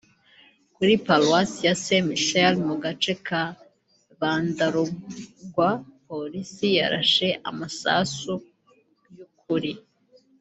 Kuri Paruwasi ya Saint Michel mu gace ka Bandalungwa Polisi yarashe amasasu y’ukuri